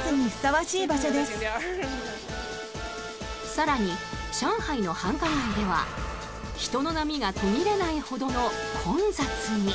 更に上海の繁華街では人の波が途切れないほどの混雑に。